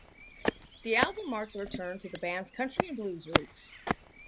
The album marked a return to the band's country and blues roots.